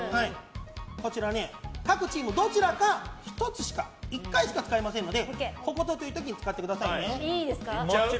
こちら各チームどちらか１回しか使えませんのでここぞという時に使ってくださいね。